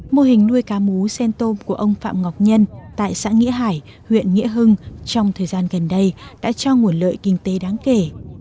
mô hình nuôi cá mú sen tôm của ông phạm ngọc nhân tại xã nghĩa hải huyện nghĩa hưng trong thời gian gần đây đã cho nguồn lợi kinh tế đáng kể